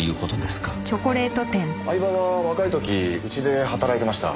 饗庭は若い時うちで働いてました。